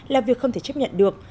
là việc không thể chấp nhận được